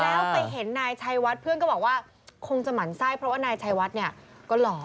แล้วไปเห็นนายชัยวัดเพื่อนก็บอกว่าคงจะหมั่นไส้เพราะว่านายชัยวัดเนี่ยก็หล่อ